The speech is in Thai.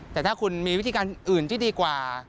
แต่ถ้าคุณมีวิธีการอื่นที่ดีกว่า